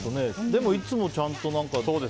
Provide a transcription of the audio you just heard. でも、いつもちゃんと。